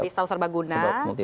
pisau serba guna